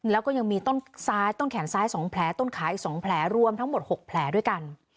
แล้วก็ยังมีต้นซ้ายต้นแขนซ้าย๒แผลต้นขาอีก๒แผลรวมทั้งหมด๖แผลด้วยกัน